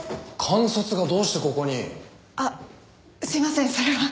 監察がどうしてここに？あっすいませんそれは。